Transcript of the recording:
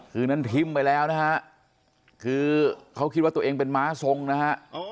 คืนนั้นทิ้มไปแล้วนะฮะคือเขาคิดว่าตัวเองเป็นม้าทรงนะฮะ